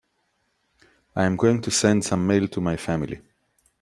I am going to send some mail to my family.